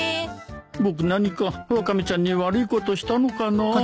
僕何かワカメちゃんに悪いことしたのかな？